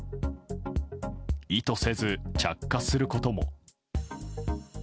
意図せず着火することも。